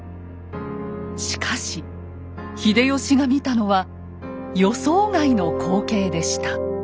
しかし秀吉が見たのは予想外の光景でした。